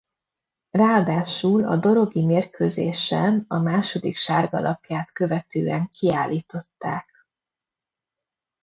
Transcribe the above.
Ráadásul a dorogi mérkőzésen a második sárga lapját követően kiállították.